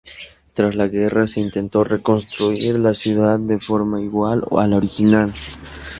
Tras la guerra, se intentó reconstruir la ciudad de forma igual a la original.